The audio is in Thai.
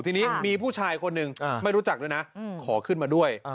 ทีนี้มีผู้ชายคนหนึ่งไม่รู้จักด้วยนะขอขึ้นมาด้วย